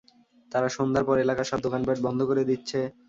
তারা সন্ধ্যার পর এলাকার সব দোকানপাট বন্ধ করে দিচ্ছে।